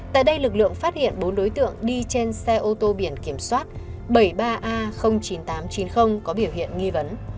tại đây lực lượng phát hiện bốn đối tượng đi trên xe ô tô biển kiểm soát bảy mươi ba a chín nghìn tám trăm chín mươi có biểu hiện nghi vấn